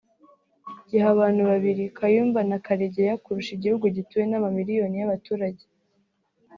giha abantu babiri (Kayumba na Karegeya) kurusha igihugu gituwe n’amamiliyoni y’abaturage